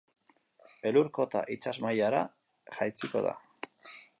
Elur-kota itsas mailara jaitsiko da.